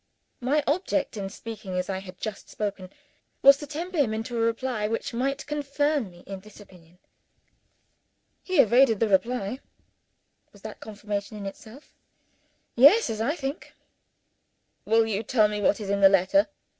My object in speaking as I had just spoken, was to tempt him into a reply which might confirm me in this opinion. He evaded the reply. Was that confirmation in itself? Yes as I think! "Will you tell me what there is in the letter?"